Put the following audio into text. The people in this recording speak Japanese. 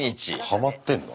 ハマってんの？